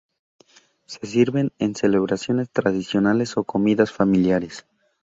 Se sirve en celebraciones tradicionales o comidas familiares.